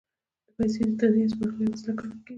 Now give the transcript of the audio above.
پیسې د تادیې یا سپارلو یوه وسیله ګڼل کېږي